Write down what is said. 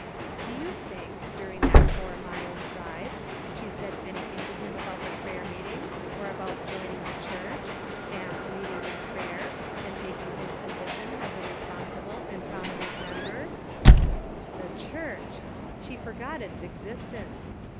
Do you think, during that four miles drive, she said anything to him about the prayer meeting, or about "joining the church," and "leading in prayer," and taking his position as a responsible and prominent member ?" The Church ! She forgot its existence.